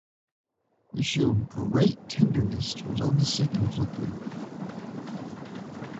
They showed great tenderness towards all the sick and afflicted.